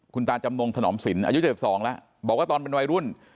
คุณตาจำนงถนอมสินอายุ๗๒แล้วบอกว่าตอนเป็นวัยรุ่น